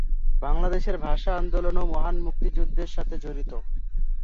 বাংলাদেশের ভাষা আন্দোলন ও মহান মুক্তিযুদ্ধের সাথে জড়িত।